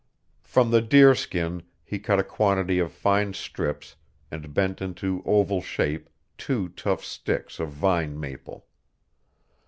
From the deerskin he cut a quantity of fine strips and bent into oval shape two tough sticks of vine maple.